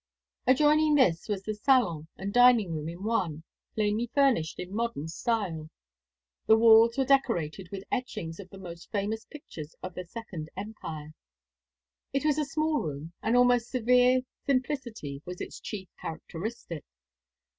Adjoining this was the salon and dining room in one, plainly furnished in the modern style. The walls were decorated with etchings of the most famous pictures of the Second Empire. It was a small room; an almost severe simplicity was its chief characteristic.